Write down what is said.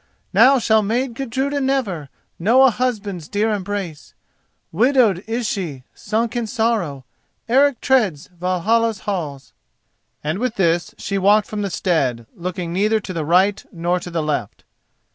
Now shall maid Gudruda never Know a husband's dear embrace; Widowed is she—sunk in sorrow, Eric treads Valhalla's halls!" And with this she walked from the stead, looking neither to the right nor to the left.